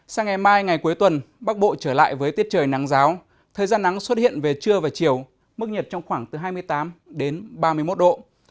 sang ngày mai ngày cuối tuần bắc bộ trở lại với tiết trời nắng giáo thời gian nắng xuất hiện về trưa và chiều mức nhiệt trong khoảng từ hai mươi tám đến ba mươi một độ